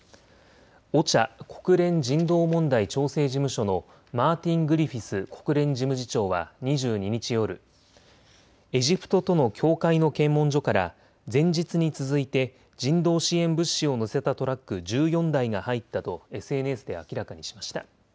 ＯＣＨＡ・国連人道問題調整事務所のマーティン・グリフィス国連事務次長は２２日夜、エジプトとの境界の検問所から前日に続いて人道支援物資を載せたトラック１４台が入ったとＳＮＳで明らかにしました。